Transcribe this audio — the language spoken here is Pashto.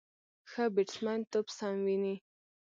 ښه بیټسمېن توپ سم ویني.